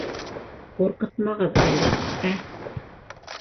— Ҡурҡытмағыҙ әле, ә?